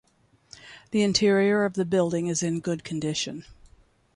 The interior of the building is in good condition.